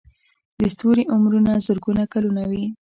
د ستوري عمرونه زرګونه کلونه وي.